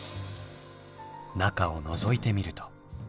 中をのぞいてみると。